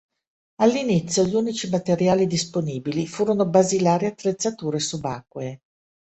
All'inizio, gli unici materiali disponibili furono basilari attrezzature subacquee.